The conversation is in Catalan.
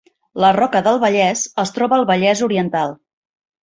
La Roca del Vallès es troba al Vallès Oriental